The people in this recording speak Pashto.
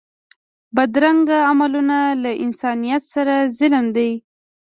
بدرنګه عملونه له انسانیت سره ظلم دی